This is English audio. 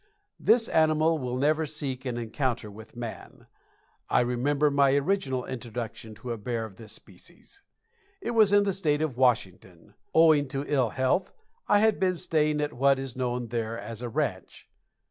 This animal will never seek an encounter with man. I remember my original introduction to a bear of this species. It was in the state of Washington. Owing to ill health I had been staying at what is known there as a ranch.